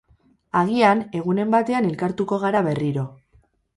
Agian, egunen batean elkartuko gara berriro